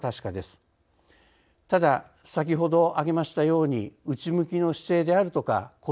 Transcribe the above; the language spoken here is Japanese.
ただ先ほど挙げましたように内向きの姿勢であるとか事